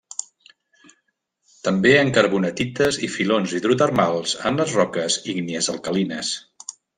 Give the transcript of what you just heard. També en carbonatites i filons hidrotermals en les roques ígnies alcalines.